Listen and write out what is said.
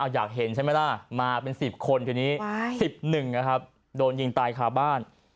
อยากเห็นใช่ไหมล่ะมาเป็น๑๐คนทีนี้๑๑นะครับโดนยิงตายคาบ้าน